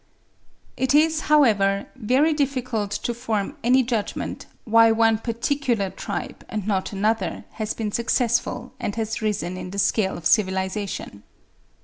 It is, however, very difficult to form any judgment why one particular tribe and not another has been successful and has risen in the scale of civilisation.